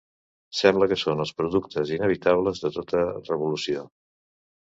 Sembla que són els productes inevitables de tota revolució.